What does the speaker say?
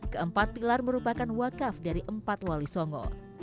keempat pilar merupakan wakaf dari empat wali songo